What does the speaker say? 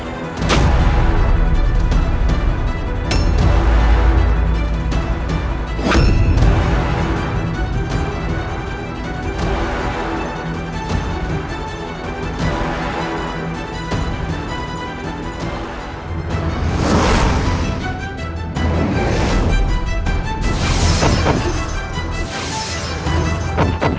ketika kau mencari rakannya